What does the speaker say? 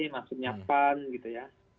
masuknya pan gitu ya